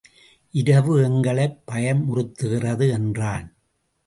இரவு எங்களைப் பயமுறுத்துகிறது. என்றான்.